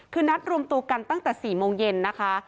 คือนัดรวมตัวกันตั้งแต่๔โมงเย็นนะคะ